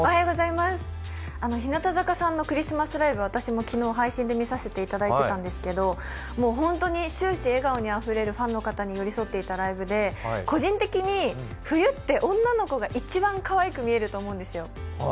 日向坂さんのクリスマスライブ、私も昨日、配信で見させていただいていたんですけど本当に終始笑顔にあふれるファンの皆さんに寄り添っていたライブで、個人的に冬って女の子が一番かわいく見えると思うんですよ。